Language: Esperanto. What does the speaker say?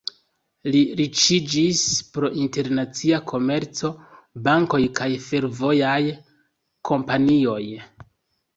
Li riĉiĝis pro internacia komerco, bankoj kaj fervojaj kompanioj.